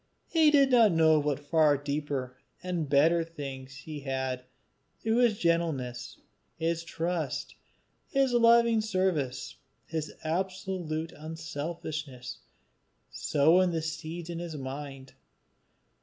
He did not know of what far deeper and better things he had, through his gentleness, his trust, his loving service, his absolute unselfishness, sown the seeds in his mind.